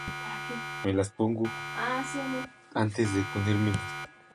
Se crio en la zona oeste de la ciudad.